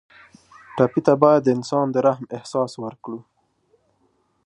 ټپي ته باید د انسان د رحم احساس ورکړو.